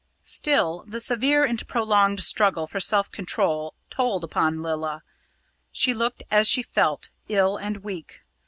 Still, the severe and prolonged struggle for self control told upon Lilla. She looked, as she felt, ill and weak.